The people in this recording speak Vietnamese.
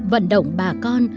vận động bà con